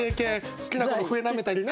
好きな子の笛なめたりな。